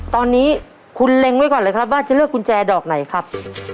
ตอนนี้คุณเล็งไว้ก่อนเลยครับว่าจะเลือกกุญแจดอกไหนครับ